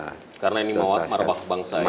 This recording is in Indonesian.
tuntaskan karena ini mawar bangsa ya